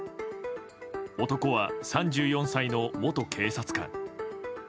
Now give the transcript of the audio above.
男は、３４歳の元警察官。